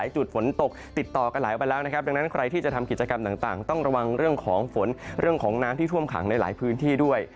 จุดฝนตกติดต่อกันหลายวันแล้วนะครับดังนั้นใครที่จะทำกิจกรรมต่างต้องระวังเรื่องของฝนเรื่องของน้ำที่ท่วมขังในหลายพื้นที่ด้วย